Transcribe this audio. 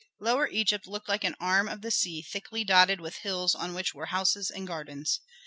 Lower Egypt looked like an arm of the sea thickly dotted with hills on which were houses and gardens.